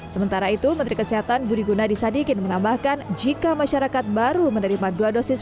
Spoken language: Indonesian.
sementara itu menteri kesehatan budi gunadisadikin menambahkan jika masyarakat baru menerima dua dosis